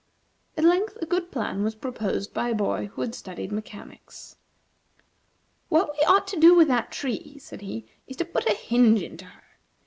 At length a good plan was proposed by a boy who had studied mechanics. "What we ought to do with that tree," said he, "is to put a hinge into her.